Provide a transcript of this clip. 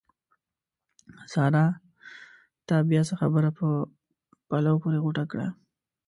سارا! تا بیا څه خبره په پلو پورې غوټه کړه؟!